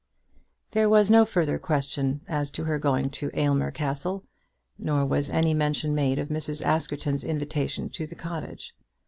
There was no further question as to her going to Aylmer Castle, nor was any mention made of Mrs. Askerton's invitation to the cottage.